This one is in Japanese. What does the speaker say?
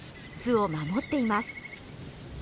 巣を守っています。